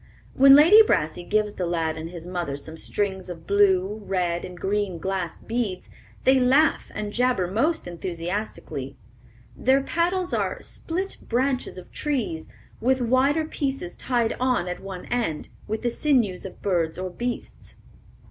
When Lady Brassey gives the lad and his mother some strings of blue, red, and green glass beads, they laugh and jabber most enthusiastically. Their paddles are "split branches of trees, with wider pieces tied on at one end, with the sinews of birds or beasts."